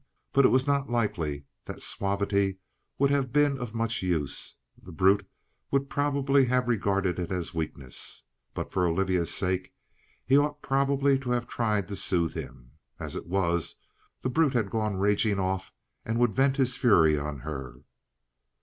But it was not likely that suavity would have been of much use; the brute would probably have regarded it as weakness. But for Olivia's sake he ought probably to have tried to soothe him. As it was, the brute had gone raging off and would vent his fury on her.